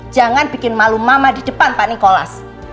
jangan bikin malu mama di depan pak nikolas